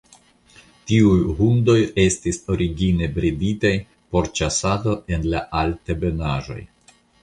Tiuj hundoj estis origine breditaj por ĉasado en la Altebenaĵoj.